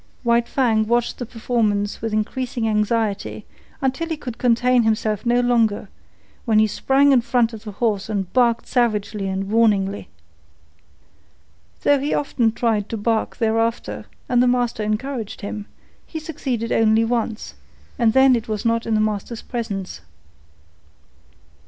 White Fang watched the performance with increasing anxiety until he could contain himself no longer, when he sprang in front of the horse and barked savagely and warningly. Though he often tried to bark thereafter, and the master encouraged him, he succeeded only once, and then it was not in the master's presence.